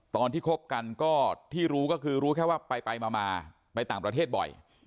คบกันก็ที่รู้ก็คือรู้แค่ว่าไปมาไปต่างประเทศบ่อย